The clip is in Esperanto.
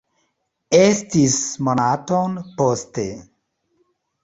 Estis monaton poste.